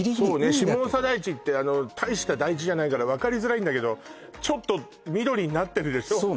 下総台地ってたいした台地じゃないから分かりづらいんだけどちょっと緑になってるでしょ